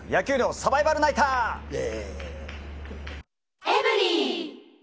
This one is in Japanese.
サバイバルナイター。